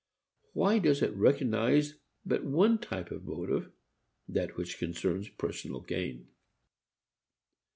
Why does it recognize but one type of motive, that which concerns personal gain.